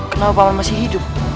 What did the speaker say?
kenapa paman masih hidup